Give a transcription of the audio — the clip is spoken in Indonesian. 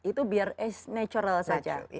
itu biar natural saja